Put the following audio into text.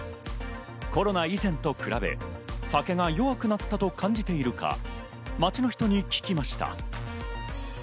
コロナ以前と比べ、酒が弱くなったと感じているか街の人に聞きました。